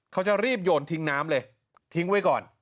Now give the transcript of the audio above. เขาจะรีบโยนทิ้งน้ำเลยทิ้งไว้ก่อน